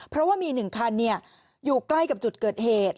เพราะว่ามี๑คันอยู่ใกล้กับจุดเกิดเหตุ